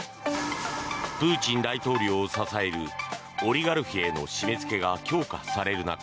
プーチン大統領を支えるオリガルヒへの締め付けが強化される